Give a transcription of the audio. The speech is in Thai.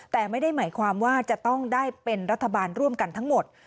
แต่ไม่ได้หมายความว่าจะต้องได้เป็นรัฐบาลร่วมกันทั้งหมด